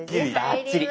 バッチリ！